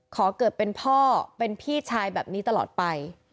ขอเกิดเป็นพ่อเป็นพี่ชายแบบนี้ตลอดไป